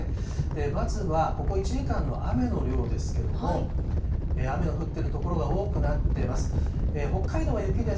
まずは、ここ１時間の雨の量ですけども、雨の降っている所が多くなってます。